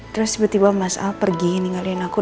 terus tiba tiba mas a pergi ninggalin aku